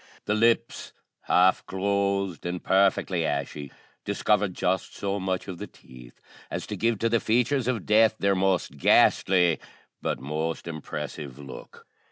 The lips, half closed and perfectly ashy, discovered just so much of the teeth as to give to the features of death their most ghastly, but most impressive look.